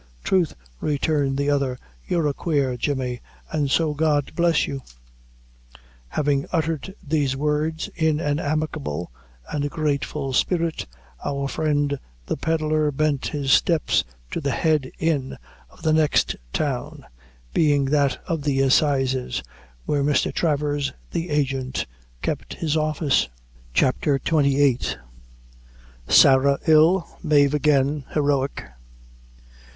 "Throth," returned the other, "you're a quare Jemmy an' so God bless you!" Having uttered these words, in an amicable and grateful spirit, our friend the pedlar bent his steps to the head inn of the next town being that of the assizes, where Mr. Travers, the agent, kept his office. CHAPTER XXVII. Sarah Ill Mave Again, Heroic.